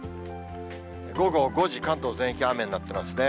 午後５時、関東全域、雨になってますね。